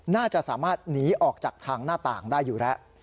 น่าจะสามารถหนีออกจากทางหน้าต่างได้อยู่แล้ว